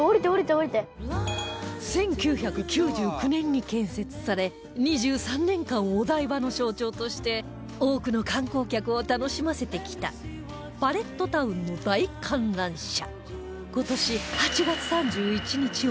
１９９９年に建設され２３年間お台場の象徴として多くの観光客を楽しませてきたパレットタウンの大観覧車